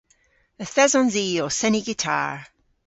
Yth esons i ow seni gitar.